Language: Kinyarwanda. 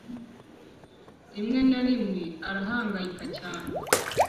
rimwe na rimwe arahangayika cyane,